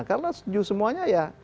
karena setuju semuanya ya